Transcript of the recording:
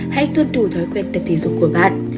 hãy tuân thủ thói quen tập thể dục của bạn